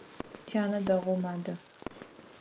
Тянэ дэгъоу мадэ.